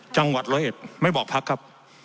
จังหวัดร้อยเอ็ดไม่บอกพักครับ